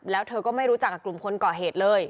แล้วเธอก็ไม่รู้จักกับกลุ่มคนก่อเหตุเลย